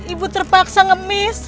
ibu terpaksa ngemis